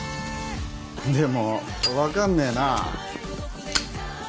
でも分かんねえな